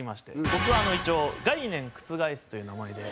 僕は一応「概念覆す」という名前で。